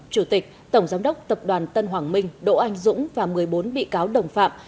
chủ tịch tổng giám đốc tập đoàn tân hoàng minh đỗ anh dũng và một mươi bốn bị cáo đồng phạm